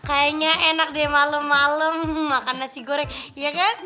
kayaknya enak deh malem malem makan nasi goreng ya kan